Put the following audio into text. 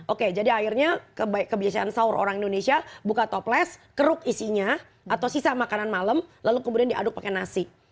oke jadi akhirnya kebiasaan sahur orang indonesia buka toples keruk isinya atau sisa makanan malam lalu kemudian diaduk pakai nasi